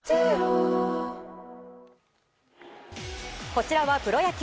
こちらはプロ野球。